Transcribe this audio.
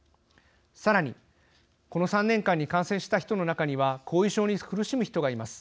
さらにこの３年間に感染した人の中には後遺症に苦しむ人がいます。